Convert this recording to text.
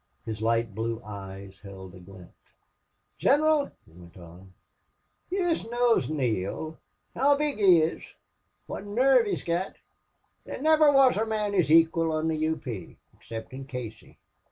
His light blue eyes held a glint. "Gineral," he went on, "yez know Neale. How big he is! Wot nerve he's got! There niver wor a mon his equal on the U. P. 'ceptin' Casey....